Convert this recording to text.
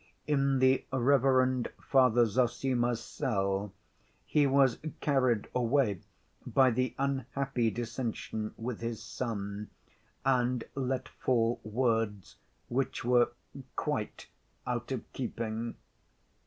In the reverend Father Zossima's cell he was carried away by the unhappy dissension with his son, and let fall words which were quite out of keeping